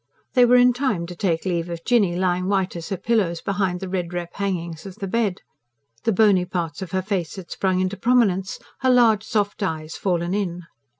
They were in time to take leave of Jinny lying white as her pillows behind the red rep hangings of the bed. The bony parts of her face had sprung into prominence, her large soft eyes fallen in.